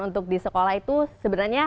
untuk di sekolah itu sebenarnya